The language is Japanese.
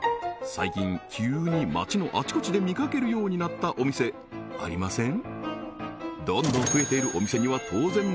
最近急に街のあちこちで見かけるようになったお店ありません？